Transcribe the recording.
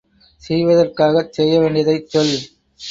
செய்வதற்காகச் செய்ய வேண்டியதைச் சொல்.